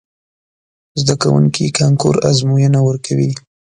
زده کوونکي کانکور ازموینه ورکوي.